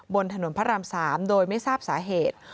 บนถนนพระราม๓โดยไม่ทราบสาเหตุ